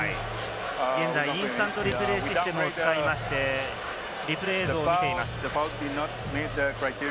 現在、インスタントリプレイシステムを使いまして、リプレイ映像を見ています。